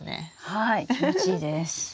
はい気持ちいいです。